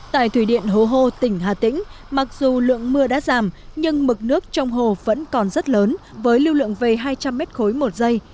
tại thủy điện hố hô tỉnh hà tĩnh mặc dù lượng mưa đã giảm nhưng mực nước trong hồ vẫn còn rất lớn với lưu lượng về hai trăm linh m khối một giây